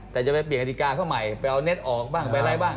แต่จะไปเปลี่ยนกฎิกาเขาใหม่ไปเอาเน็ตออกบ้างไปอะไรบ้าง